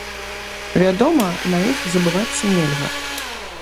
Вядома, на іх забывацца нельга.